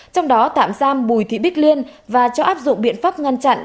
trong đó tạm giam bùi thị bích liên và cho áp dụng biện pháp ngăn chặn